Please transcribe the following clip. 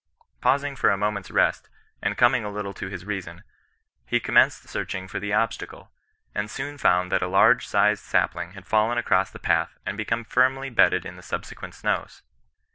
Pausing for a moment's rest, and coming a little to his reason, he commenced searching for the obstacle, and soon found that a large sized sapling had fallen across the path and become firmly bedded in the subse quent snows.